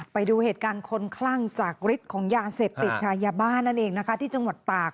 ไปดูเหตุการณ์คนคลั่งจากฤทธิ์ของยาเสพติดค่ะยาบ้านั่นเองนะคะที่จังหวัดตาก